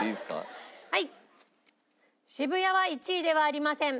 はい渋谷は１位ではありません。